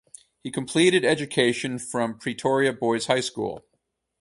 He completed education from Pretoria Boys High School.